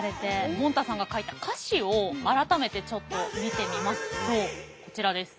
もんたさんが書いた歌詞を改めてちょっと見てみますとこちらです。